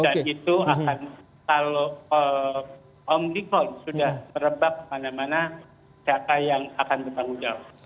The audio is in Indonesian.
dan itu akan kalau om nikon sudah merebak mana mana siapa yang akan bertanggung jawab